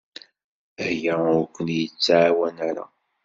Aya ur kent-yettɛawan ara.